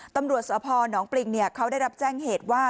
ตำรวจสพนปริงเขาได้รับแจ้งเหตุว่า